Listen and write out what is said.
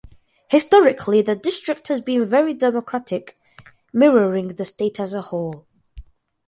Historically, the district has been very Democratic, mirroring the state as a whole.